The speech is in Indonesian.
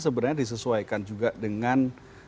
sebenarnya disesuaikan juga dengan